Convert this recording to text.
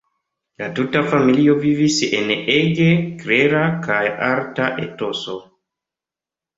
La tuta familio vivis en ege klera kaj arta etoso.